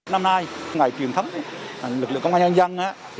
năm nay ngày truyền thống lực lượng công an nhân dân